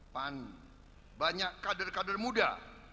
pan banyak kader kader muda